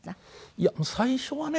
いや最初はね